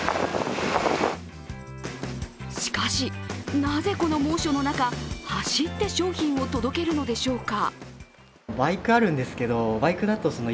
しかし、なぜこの猛暑の中、走って商品を届けるのでしょうか。